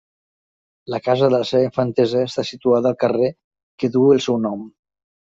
La casa de la seva infantesa està situada al carrer que duu el seu nom.